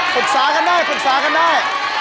ปรึกษากันได้ปรึกษากันได้